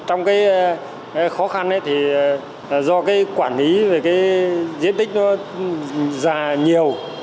trong cái khó khăn thì do cái quản lý về cái diện tích nó già nhiều